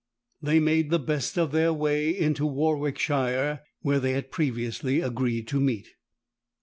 They made the best of their way into Warwickshire, where they had previously agreed to meet.